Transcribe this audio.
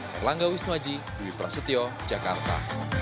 saya wisnu aji dari prasetyo jakarta